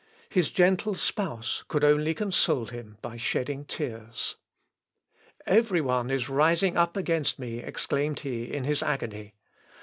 His gentle spouse could only console him by shedding tears. "Every one is rising up against me," exclaimed he in his agony.